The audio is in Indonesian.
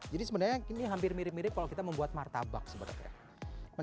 sebenarnya ini hampir mirip mirip kalau kita membuat martabak sebenarnya